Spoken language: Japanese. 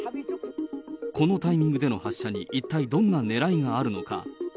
このタイミングでの発射に一体どんなねらいがあるのか。